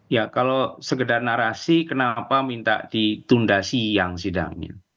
ya kalau sekedar narasi kenapa minta ditunda siang sidangnya